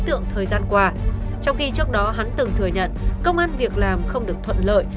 tượng thời gian qua trong khi trước đó hắn từng thừa nhận công an việc làm không được thuận lợi